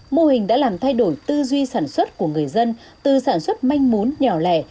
mô hình đã làm thay đổi tư duy sản xuất của người dân từ sản xuất manh mún nhỏ lẻ